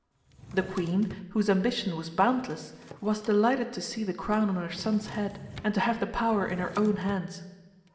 The Queen, whose ambition was boundless, was delighted to see the crown on her son's head and to have the power in her own hands.